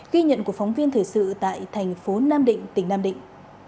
ghi nhận của phóng viên thời sự tại tp nam định tỉnh nam định